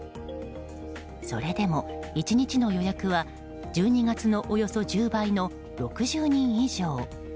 それでも１日の予約は、１２月のおよそ１０倍の６０人以上。